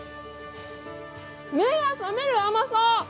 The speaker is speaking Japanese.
目が覚める甘さ！